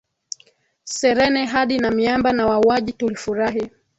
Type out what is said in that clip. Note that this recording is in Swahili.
serene hadi na miamba na wauaji Tulifurahi